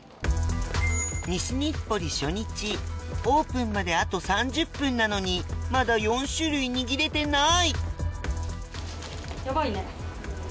西日暮里初日オープンまであと３０分なのにまだ４種類握れてない！